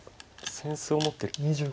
扇子を持ってる。